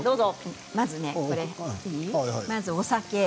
まずお酒。